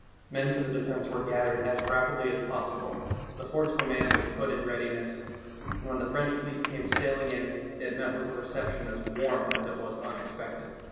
Men for the defense were gathered as rapidly as posvsible, the forts were manned and pu^t in readiness, and when the French fleet came sailing in, it met with a reception as warm as it was unexpected.